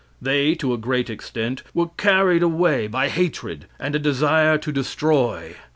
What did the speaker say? They, to a great extent, were carried away by hatred and a desire to destroy.